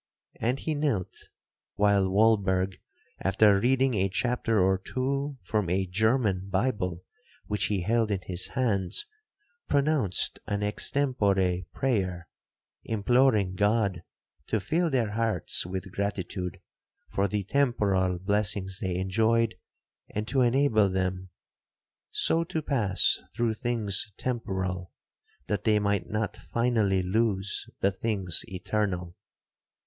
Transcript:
''—and he knelt, while Walberg, after reading a chapter or two from a German Bible which he held in his hands, pronounced an extempore prayer, imploring God to fill their hearts with gratitude for the temporal blessings they enjoyed, and to enable them 'so to pass through things temporal, that they might not finally lose the things eternal.'